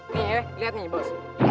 nih eh lihat nih bos